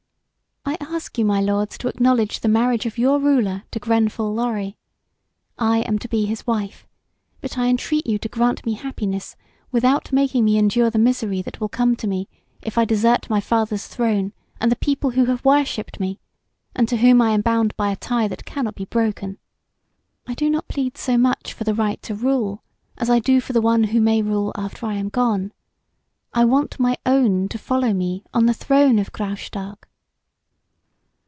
"I ask you, my lords, to acknowledge the marriage of your ruler to Grenfall Lorry. I am to be his wife; but I entreat you to grant me happiness without making me endure the misery that will come to me if I desert my father's throne and the people who have worshipped me and to whom I am bound by a tie that cannot be broken. I do not plead so much for the right to rule as I do for the one who may rule after I am gone. I want my own to follow me on the throne of Graustark."